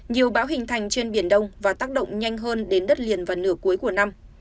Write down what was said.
nhiều bão hình thành trên biển đông và tác động nhanh hơn đến đất liền vào nửa cuối của năm